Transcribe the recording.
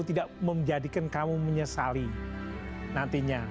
tidak menjadikan kamu menyesali nantinya